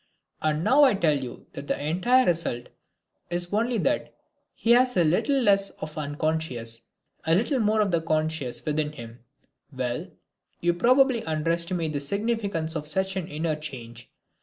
And now I tell you that the entire result is only that he has a little less of the unconscious, a little more of the conscious within him. Well, you probably underestimate the significance of such an inner change.